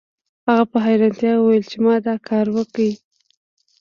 هغه په حیرانتیا وویل چې ما دا کار وکړ